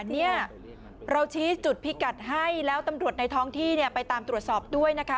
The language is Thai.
เนี่ยเราชี้จุดพิกัดให้แล้วตำรวจในท้องที่ไปตามตรวจสอบด้วยนะคะ